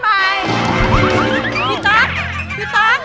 พี่ตั๊ค